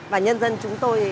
và nhân dân chúng tôi